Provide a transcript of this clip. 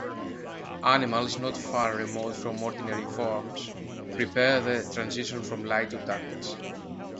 Animals not far remote from ordinary forms, prepare the transition from light to darkness.